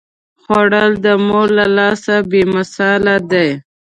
خوړل د مور له لاسه بې مثاله دي